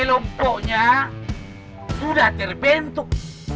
kelompoknya sudah terbentuk